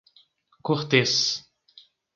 Cortês